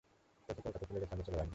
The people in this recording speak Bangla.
তোকে কলকাতায় ফেলে রেখে আমরা চলে আসব।